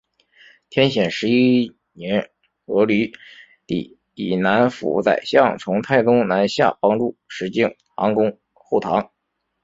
天显十一年鹘离底以南府宰相从太宗南下帮助石敬瑭攻后唐。